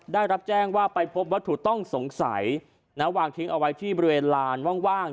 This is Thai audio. ได้รับแจ้งว่าไปพบวัตถุต้องสงสัยวางทิ้งเอาไว้ที่บริเวณลานว่าง